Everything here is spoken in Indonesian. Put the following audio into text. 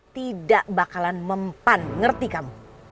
tidak bakalan mempan ngerti kamu